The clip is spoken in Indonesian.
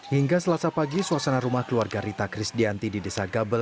hingga selasa pagi suasana rumah keluarga rita krisdianti di desa gabel